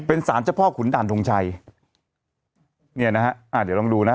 เป็นสารเจ้าพ่อขุนด่านทงชัยเนี่ยนะฮะอ่าเดี๋ยวลองดูนะ